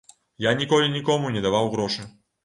Я ніколі нікому не даваў грошы.